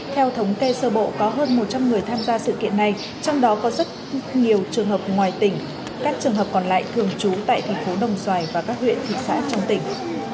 theo thống kê sơ bộ có hơn một trăm linh người tham gia sự kiện này trong đó có rất nhiều trường hợp ngoài tỉnh các trường hợp còn lại thường trú tại thành phố đồng xoài và các huyện thị xã trong tỉnh